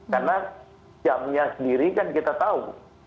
karena jamnya sendiri kan kita tahu